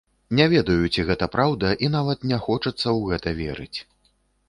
Не ведаю, ці гэта праўда і нават не хочацца ў гэта верыць.